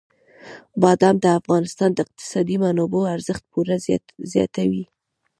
بادام د افغانستان د اقتصادي منابعو ارزښت پوره زیاتوي.